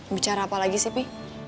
bicara apa lagi sih pi